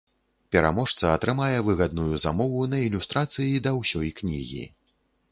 Пераможца атрымае выгадную замову на ілюстрацыі да ўсёй кнігі.